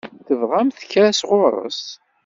Tebɣamt kra sɣur-s?